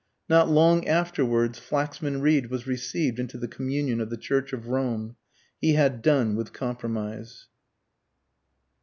Not long afterwards Flaxman Reed was received into the communion of the Church of Rome. He had done with compromise.